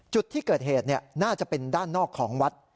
จุดที่เกิดเหตุน่าจะเป็นด้านนอกของวัด